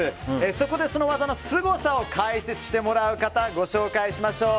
そこで、その技のすごさを解説してもらう方をご紹介しましょう。